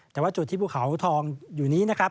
แต่ว่าจุดที่ภูเขาทองอยู่นี้นะครับ